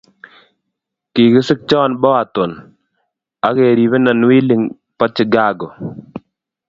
kikisikchon Boaton, akeribenon wilin bo Chicago